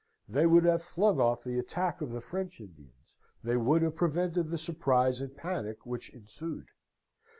They would have flung off the attack of the French Indians; they would have prevented the surprise and panic which ensued.